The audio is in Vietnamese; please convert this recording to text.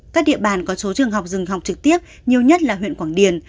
các địa bàn có số trường học dừng học trực tiếp nhiều nhất là huyện quảng điền